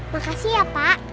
makasih ya pak